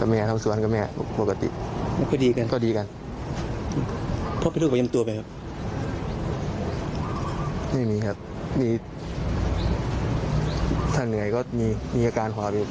เหมือนมีครับไม่มีครับถ้าเหนื่อยก็มีอาการหวาเบียบ